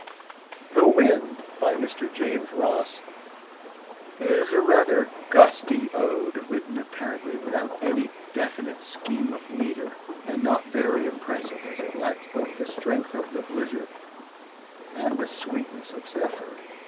The Wind, by Mr. James Ross, is a rather gusty ode, written apparently without any definite scheme of metre, and not very impressive as it lacks both the strength of the blizzard and the sweetness of Zephyr.